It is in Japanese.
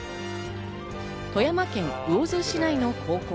富山県魚津市内の高校。